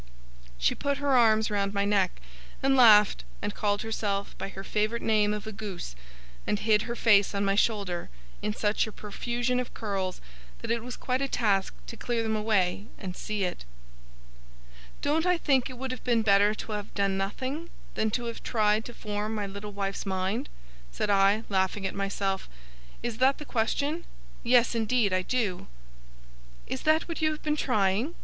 She put her arms round my neck, and laughed, and called herself by her favourite name of a goose, and hid her face on my shoulder in such a profusion of curls that it was quite a task to clear them away and see it. 'Don't I think it would have been better to have done nothing, than to have tried to form my little wife's mind?' said I, laughing at myself. 'Is that the question? Yes, indeed, I do.' 'Is that what you have been trying?